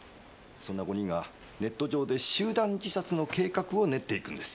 そんな５人がネット上で集団自殺の計画を練っていくんです。